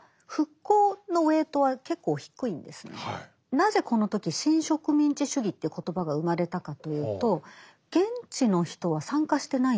なぜこの時新植民地主義という言葉が生まれたかというと現地の人は参加してないんですよ